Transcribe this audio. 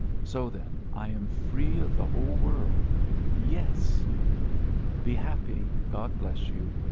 So, then, I am free of the whole world? Yes? "Be happy. God bless you.